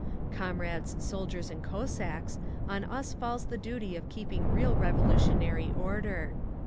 "Comrades soldiers and Cossacks, on us falls the duty of keeping real revolutionary order.